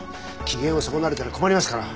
機嫌を損なわれたら困りますから。